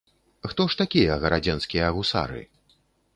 Хто ж такія гарадзенскія гусары?